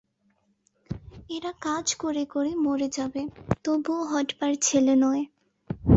এরা কাজ করে করে মরে যাবে, তবু হটবার ছেলে নয়।